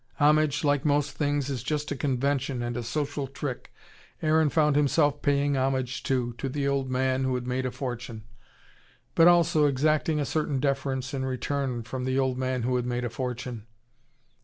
Homage, like most things, is just a convention and a social trick. Aaron found himself paying homage, too, to the old man who had made a fortune. But also, exacting a certain deference in return, from the old man who had made a fortune.